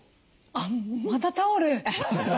あっまたタオル？